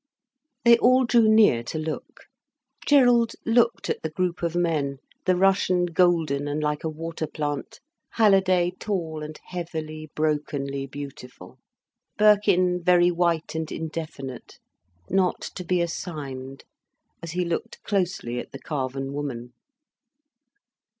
They all drew near to look. Gerald looked at the group of men, the Russian golden and like a water plant, Halliday tall and heavily, brokenly beautiful, Birkin very white and indefinite, not to be assigned, as he looked closely at the carven woman.